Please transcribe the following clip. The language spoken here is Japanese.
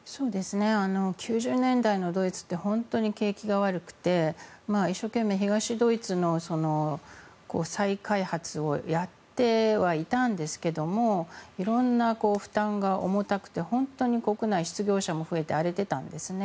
９０年代のドイツって本当に景気が悪くて一生懸命、東ドイツの再開発をやってはいたんですけども色んな負担が重たくて本当に国内、失業者も増えて荒れていたんですね。